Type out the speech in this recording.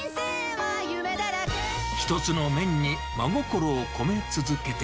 一つの麺に真心を込め続けて。